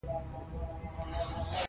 دولت د اړیکو د نظم لپاره جوړیږي.